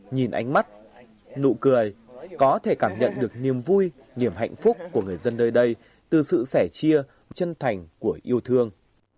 nhìn ánh mắt nụ cười có thể cảm nhận được niềm vui niềm hạnh phúc của người dân nơi đây từ sự sẻ chia chân thành của yêu thương